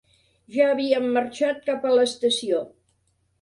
Ja havíem marxat cap a l'estació.